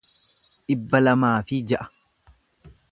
dhibba lamaa fi ja'a